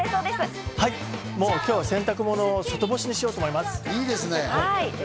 もう今日は洗濯物を外干しにしようと思います。